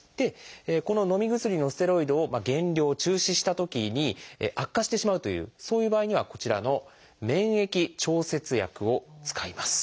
こののみ薬のステロイドを減量中止したときに悪化してしまうというそういう場合にはこちらの免疫調節薬を使います。